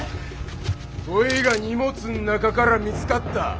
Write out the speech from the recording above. こいが荷物ん中から見つかった。